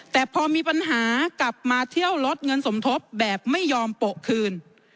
แต่พอมีปัญหากลับมาเที่ยวลดเงินสมทบแบบไม่ยอมโปะคืน